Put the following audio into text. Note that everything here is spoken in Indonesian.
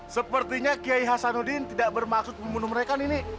sepertinya kiyai hasanuddin tidak bermaksud membunuh mereka nini